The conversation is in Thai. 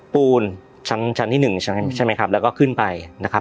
ปูนชั้นที่๑ใช่ไหมครับแล้วก็ขึ้นไปนะครับ